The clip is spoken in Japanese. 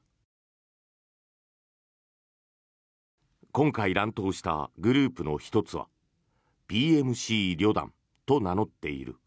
今回乱闘したグループの１つはＰＭＣリョダンと名乗っている。